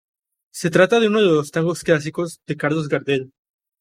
Se trata de uno de los tangos clásicos de Carlos Gardel.